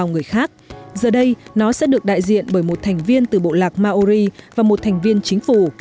con sông sẽ được đại diện bởi một thành viên từ bộ lạc maori và một thành viên chính phủ